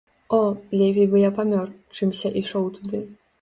О, лепей бы я памёр, чымся ішоў туды.